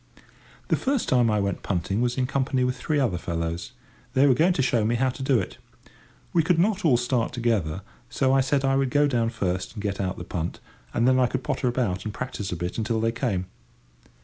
The first time I went punting was in company with three other fellows; they were going to show me how to do it. We could not all start together, so I said I would go down first and get out the punt, and then I could potter about and practice a bit until they came.